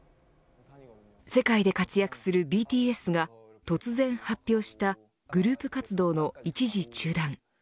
世界で活躍するＢＴＳが突然発表したグループ活動の一時中断。